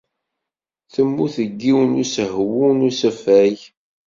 Temmut deg yiwen n usehwu n usafag.